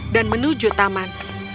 dan menuju taman